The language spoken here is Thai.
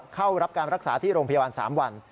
เข้ารับการรักษาที่โรงพยาบาล๓วัน